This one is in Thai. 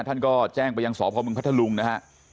ท่านก็แจ้งไปยังสพมพัทธลุงนะฮะ